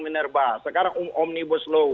minerba sekarang omnibus law